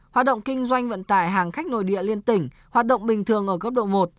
hoạt động kinh doanh vận tải hàng khách nội địa liên tỉnh hoạt động bình thường ở góc độ một